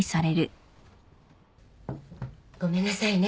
ごめんなさいね。